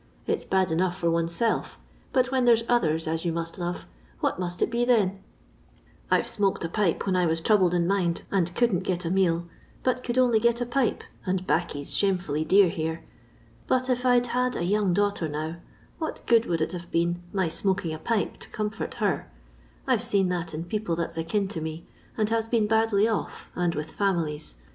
It 's bad enough for oneself, but when there 's others as you must love, what must it be then 1 I 've smoked a pipe when I was troubled in mind, and couldn't get a meal, but could only get a pipe, and baccy 's shamefully dear here ; but if I 'd had a young daughter now, what good would it have been my smoking a pipe to comfort her ) I 've seen tlmt in people that 's akin to me, and has been badly off, and with families.